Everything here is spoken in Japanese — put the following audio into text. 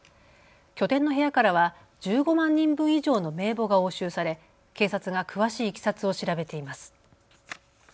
拠点の部屋からは１５万人分以上の名簿が押収され、警察が詳しいいきさつを調べています。